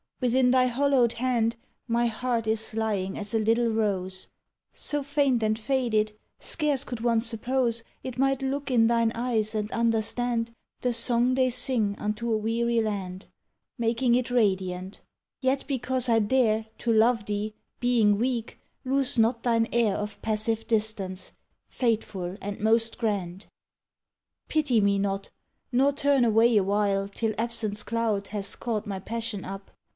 within thy hollowed hand My heart is lying as a little rose, So faint and faded, scarce could one suppose It might look in thine eyes and understand The song they sing unto a weary land, Making it radiant, yet because I dare, To love thee, being weak, lose not thine air Of passive distance, fateful and most grand. Pity me not, nor turn away awhile Till absence's cloud has caught my passion up.